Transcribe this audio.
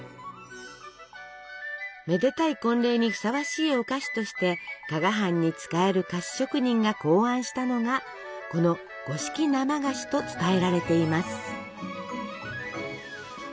めでたい婚礼にふさわしいお菓子として加賀藩に仕える菓子職人が考案したのがこの五色生菓子と伝えられています。